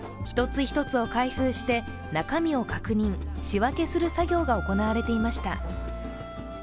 一つ一つを開封して、中身を確認、仕分けする作業が行われていました。